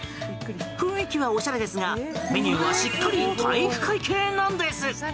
雰囲気はおしゃれですがメニューはしっかり体育会系なんです。